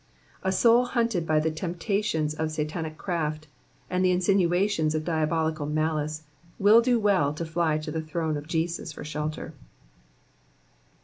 A soul hunted by the temptations of Satanic craft, and the insinuations of diabolical malice, will do well to fly to the throne of Jesus for shelter.